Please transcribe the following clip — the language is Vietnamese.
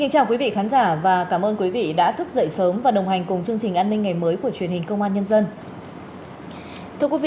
hãy đăng ký kênh để ủng hộ kênh của chúng mình nhé